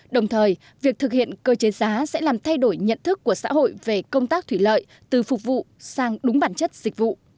đồng thời việc thực hiện cơ chế giá sẽ làm thay đổi nhận thức của xã hội về công tác thủy lợi từ phục vụ sang đúng bản chất dịch vụ